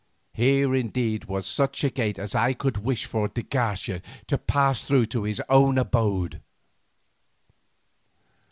Here indeed was such a gate as I could wish for de Garcia to pass through to his own abode.